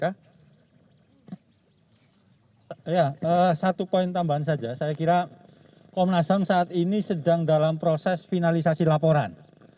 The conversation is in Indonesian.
ya satu poin tambahan saja saya kira komnas ham saat ini sedang dalam proses finalisasi laporan